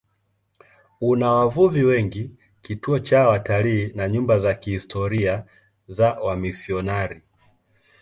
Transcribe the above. Una wavuvi wengi, kituo cha watalii na nyumba za kihistoria za wamisionari.